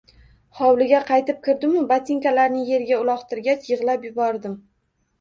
Hovliga qaytib kirdimu botinkalarni yerga uloqtirgancha yig‘lab yubordim.